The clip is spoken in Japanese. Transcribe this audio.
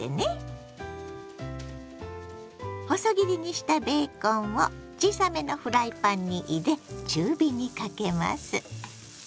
細切りにしたベーコンを小さめのフライパンに入れ中火にかけます。